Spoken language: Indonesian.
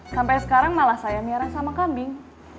sampai sekarang malah saya merah sama kambing